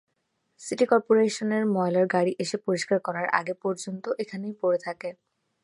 City করপোরেশনের ময়লার গাড়ি এসে পরিষ্কার করার আগে পর্যন্ত এখানেই পড়ে থাকে।